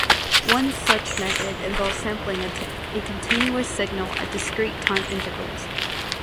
One such method involves sampling a continuous signal at discrete time intervals.